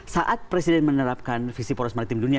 saat presiden menerapkan visi poros maritim dunia